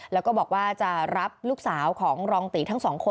แล้วก็บอกว่าจะรับลูกสาวของรองตีทั้งสองคน